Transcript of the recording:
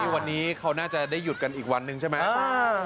วันนี้เขาน่าจะได้หยุดกันอีกวันหนึ่งใช่ไหม